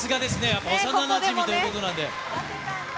やっぱ幼なじみということなので。